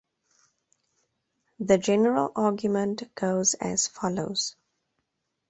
The general argument goes as follows.